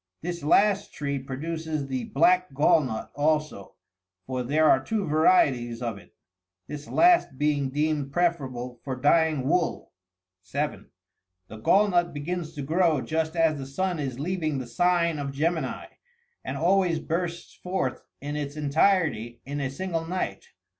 This last tree produces the black gall nut also — for there are two varieties of it — this last being deemed preferable for dyeing wool. (7.) The gall nut begins to grow just as the sun is leaving the sign of Gemini,63 and always bursts forth in its entirety in a single night.